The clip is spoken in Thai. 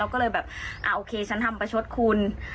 ก็เลยแบบอ่าโอเคฉันทำประชดคุณ